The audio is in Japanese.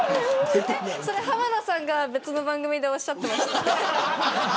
それ、浜田さんが別の番組でおっしゃってました。